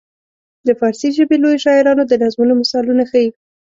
د فارسي ژبې لویو شاعرانو د نظمونو مثالونه ښيي.